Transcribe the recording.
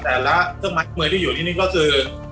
แต่ละเครื่องมือที่อยู่ในนี้ก็คือ